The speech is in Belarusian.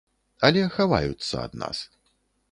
Але хаваюцца ад нас.